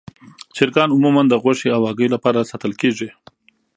چرګان عموماً د غوښې او هګیو لپاره ساتل کېږي.